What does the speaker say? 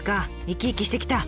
生き生きしてきた。